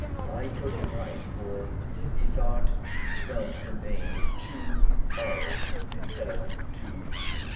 I put him right; for he thought she spelt her name with two rr, instead of two tt.